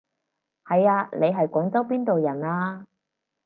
係啊，你係廣州邊度人啊？